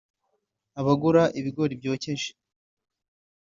abagura ibigori byokeje